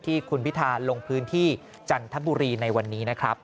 ที่คุณพิธาลงพื้นที่จันทบุรีในวันนี้นะครับ